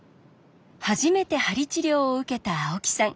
初めて鍼治療を受けた青木さん。